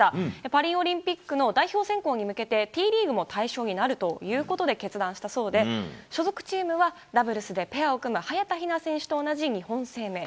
パリオリンピックの代表選考に向けて、Ｔリーグが対象になるということで、決断したそうで、所属チームはダブルスでペアを組む早田ひな選手と同じ日本生命。